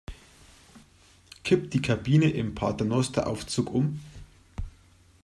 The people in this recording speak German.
Kippt die Kabine im Paternosteraufzug um?